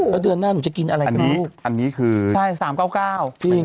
แล้วเดือนหน้าหนูจะกินอะไรกันลูกอันนี้คือใช่๓๙๙